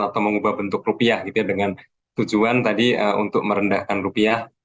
atau mengubah bentuk rupiah gitu ya dengan tujuan tadi untuk merendahkan rupiah